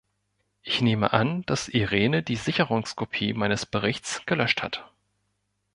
Ich nehme an, dass Irene die Sicherungskopie meines Berichts gelöscht hat.